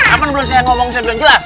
kapan belum saya ngomong saya belum jelas